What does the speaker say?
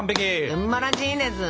すばらしいです。